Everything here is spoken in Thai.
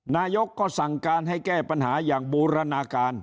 นายกก็สั่งการให้แก้ปัญหาอย่างบูรณาการ